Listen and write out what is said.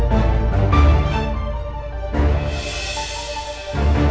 masih masih yakin